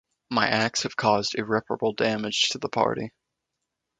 My acts have caused irreparable damage to the party.